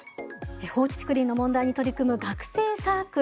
放置竹林の問題に取り組む学生サークル